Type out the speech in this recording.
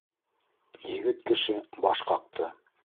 «Егет кеше» баш ҡаҡты.